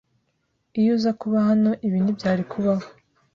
Iyo uza kuba hano ibi ntibyari kubaho.